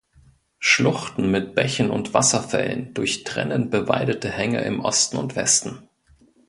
Schluchten mit Bächen und Wasserfällen durchtrennen bewaldete Hänge im Osten und Westen.